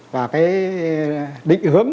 và cái định hướng